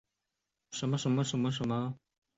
由此可见的隋朝的富庶与强盛。